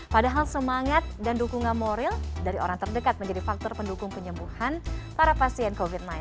padahal semangat dan dukungan moral dari orang terdekat menjadi faktor pendukung penyembuhan para pasien covid sembilan belas